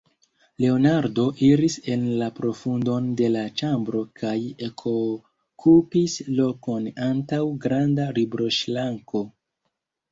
Leonardo iris en la profundon de la ĉambro kaj ekokupis lokon antaŭ granda libroŝranko.